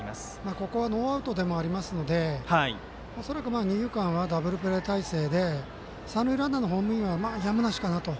ここはノーアウトでもありますので恐らく二遊間はダブルプレー態勢で三塁ランナーのホームインはやむなしかなと。